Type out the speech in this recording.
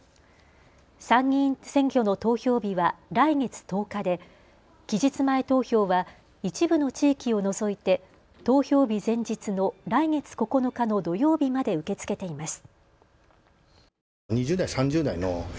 参議院選挙の投票日は来月１０日で期日前投票は一部の地域を除いて投票日前日の来月９日の土曜日まで受け付けています。